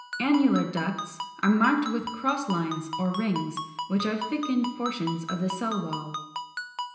Annular ducts (Fig. 457) are marked with cross lines or rings, which are thickened portions of the cell wall.